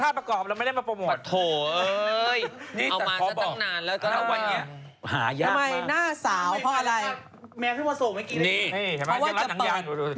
ฉันกำลังจะพูดว่า